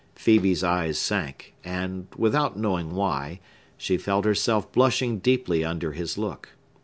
Phœbe's eyes sank, and, without knowing why, she felt herself blushing deeply under his look.